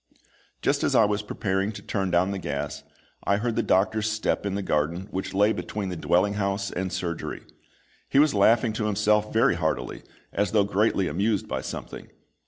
Just as I was preparing to turn down the gas, I heard the doctor's step in the garden which lay between the dwelling house and surgery. He was laughing to himself very heartily, as though greatly amused by something.